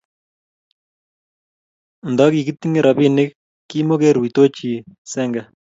Nta kikitinge robinik ki mukerutoichi senge